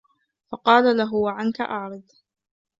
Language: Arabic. فَقَالَ لَهُ وَعَنْك أُعْرِضْ